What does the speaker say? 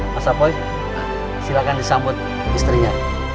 masa boy silakan disambut istrinya